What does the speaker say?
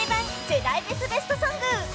世代別ベストソング。